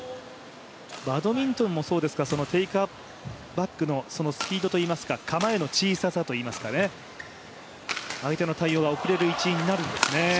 バドミントンもそうですがテイクバックのそのスピードといいますか構えの小ささといいますかね相手の対応が遅れる一因になるんですね。